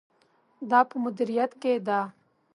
دا په مدیریت کې ده.